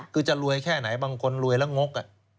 คือจะรวยแค่ไหนบางคนรวยแล้วงก